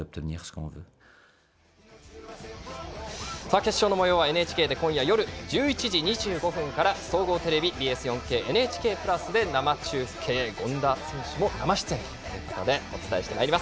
決勝のもようはＮＨＫで今夜１１時２５分から総合テレビＢＳ４ＫＮＨＫプラスで生中継権田選手も生出演ということでお伝えしてまいります。